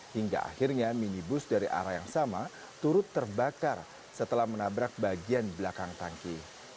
hingga akhirnya minibus dari arah yang sama turut terbakar setelah menabrak bagian belakang tangki